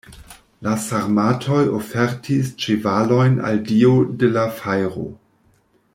La sarmatoj ofertis ĉevalojn al dio de la fajro.